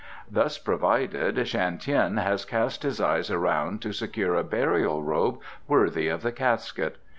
Thus provided, Shan Tien has cast his eyes around to secure a burial robe worthy of the casket.